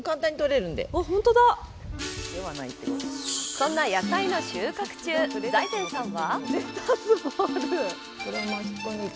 そんな野菜の収穫中財前さんは。